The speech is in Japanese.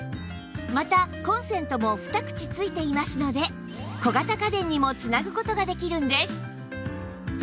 またコンセントも２口付いていますので小型家電にも繋ぐ事ができるんです